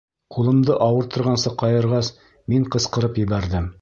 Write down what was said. Ҡулымды ауырттырғансы ҡайырғас, мин ҡысҡырып ебәрҙем.